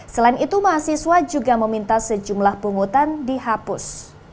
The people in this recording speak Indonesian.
selain itu mahasiswa juga meminta sejumlah pungutan dihapus